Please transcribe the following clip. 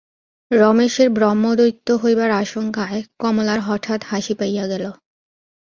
রমেশের ব্রহ্মদৈত্য হইবার আশঙ্কায় কমলার হঠাৎ হাসি পাইয়া গেল।